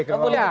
kau punya apa